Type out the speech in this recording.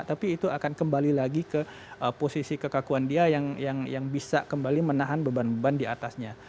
tapi itu akan kembali lagi ke posisi kekakuan dia yang bisa kembali menahan beban beban diatasnya